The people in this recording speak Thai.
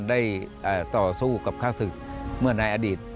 ท่านอาจารย์ได้ต่อสู้กับฆ่าศึกเมื่อนายอดีต